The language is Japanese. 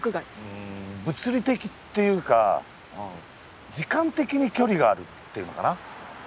うーん物理的っていうか時間的に距離があるっていうのかな。